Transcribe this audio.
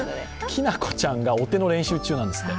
きなこちゃんがお手の練習中なんですって。